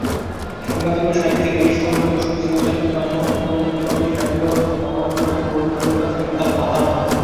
সাংবাদিক ও সাহিত্যিক গিরিশচন্দ্র বসু ছিলেন তার পিতামহ এবং বিপ্লবী ও সাহিত্যিক মনোরঞ্জন গুহঠাকুরতা ছিলেন তার মাতামহ।